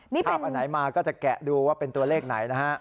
ภาพอันไหนมาก็จะแกะดูว่าเป็นตัวเลขไหนนะฮะ